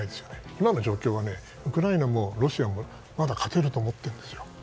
今の状況はウクライナもロシアもまだ勝てると思ってるんですよ。